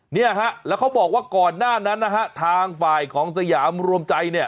เนี่ยฮะแล้วเขาบอกว่าก่อนหน้านั้นนะฮะทางฝ่ายของสยามรวมใจเนี่ย